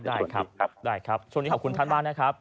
ได้ครับได้ครับช่วงนี้ขอบคุณท่านมากนะครับ